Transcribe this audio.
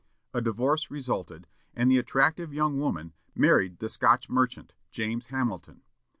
A divorce resulted, and the attractive young woman married the Scotch merchant, James Hamilton.